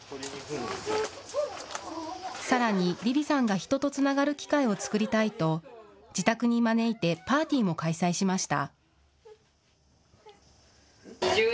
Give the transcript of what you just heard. さらにリヴィさんが人とつながる機会を作りたいと自宅に招いてパーティーも開催しました。